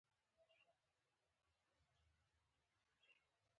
خوړل د ذوق ساتنه ده